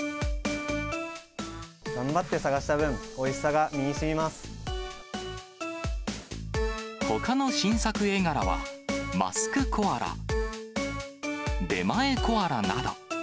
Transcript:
頑張って探した分、おいしさほかの新作絵柄は、マスクコアラ、出前コアラなど。